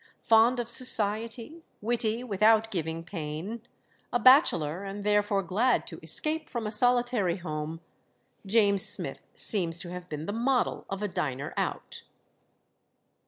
Fond of society, witty without giving pain, a bachelor, and therefore glad to escape from a solitary home, James Smith seems to have been the model of a diner out.